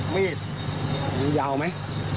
มียาวดิ